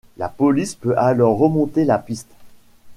La police peut alors remonter la piste...